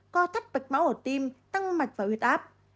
co thắt bạch máu ở tim tăng mạch và huyệt áp